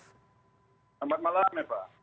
selamat malam ya pak